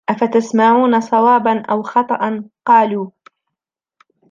أَفَتَسْمَعُونَ صَوَابًا أَوْ خَطَأً ؟ قَالُوا